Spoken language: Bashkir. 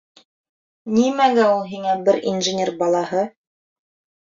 Нимәгә ул һиңә бер инженер балаһы?